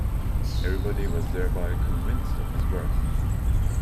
Everybody was thereby convinced of his worth.